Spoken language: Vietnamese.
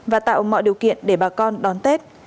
và tạo mọi điều kiện để bà con đón tết